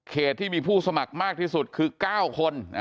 ที่มีผู้สมัครมากที่สุดคือ๙คน